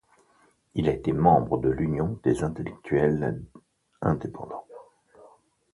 Il a été membre de l'Union des intellectuels indépendants.